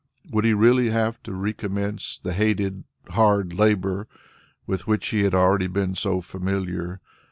Would he really have to recommence the hated hard labour with which he had already been so familiar?